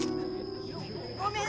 「」「ごめん」